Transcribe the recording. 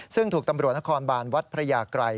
ซึ่งถูกตำรวจนครบานวัดพระยากรัย